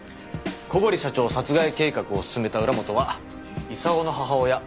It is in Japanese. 小堀社長殺害計画を進めた浦本は功の母親